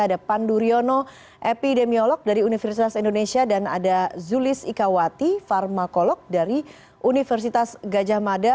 ada pandu riono epidemiolog dari universitas indonesia dan ada zulis ikawati farmakolog dari universitas gajah mada